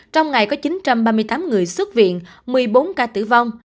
trong ngày có chín trăm ba mươi tám người xuất viện một mươi bốn ca tử vong